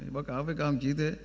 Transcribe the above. báo cáo với các ông chí thế